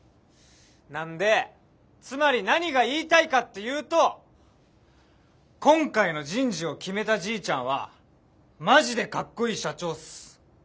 なんでつまり何が言いたいかっていうと今回の人事を決めたじいちゃんはマジでかっこいい社長っす。